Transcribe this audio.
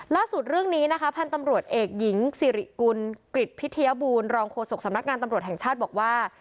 เรื่องนี้นะคะพันธุ์ตำรวจเอกหญิงสิริกุลกริจพิทยาบูรณรองโฆษกสำนักงานตำรวจแห่งชาติบอกว่า